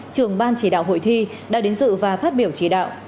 trưởng ban chỉ đạo hội thi đã đến dự và phát biểu chỉ đạo